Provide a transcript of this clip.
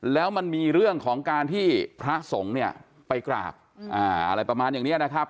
แล้วมันมีเรื่องของการที่พระสงฆ์เนี่ยไปกราบอะไรประมาณอย่างนี้นะครับ